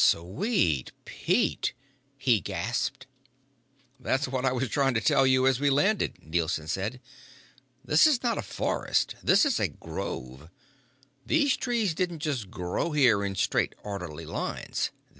"Sweet Pete!" he gasped. "That's what I was trying to tell you as we landed," Nielson said. "This is not a forest. This is a grove. These trees didn't just grow here in straight orderly lines.